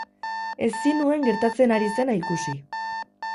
Ezin nuen gertatzen ari zena ikusi.